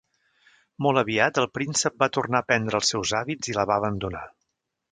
Molt aviat el príncep va tornar a prendre els seus hàbits i la va abandonar.